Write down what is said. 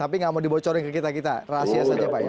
tapi nggak mau dibocorin ke kita kita rahasia saja pak ya